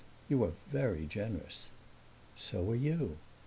"You are very generous." "So are you."